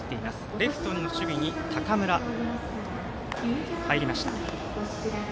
レフトの守備に高村が入りました。